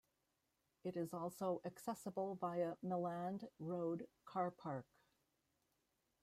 It is also accessible via Milland road car park.